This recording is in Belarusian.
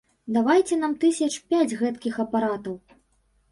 Давайце нам тысяч пяць гэткіх апаратаў.